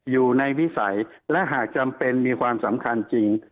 วิสัยและหากจำเป็นมีความสำคัญจริง